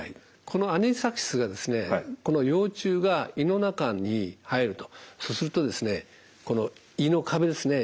このアニサキスがこの幼虫が胃の中に入るとそうするとこの胃の壁ですね